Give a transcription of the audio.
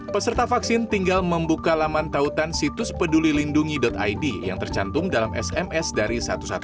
peserta vaksin tinggal membuka laman tautan situspedulilindungi id yang tercantum dalam sms dari seribu satu ratus sembilan puluh sembilan